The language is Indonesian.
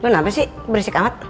lu kenapa sih berisik amat